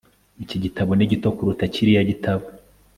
Iki gitabo ni gito kuruta kiriya gitabo